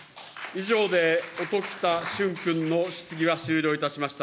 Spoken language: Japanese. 以上で音喜多駿君の質疑が終了いたしました。